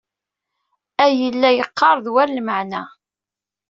Ay yella yeqqar d war lmeɛna.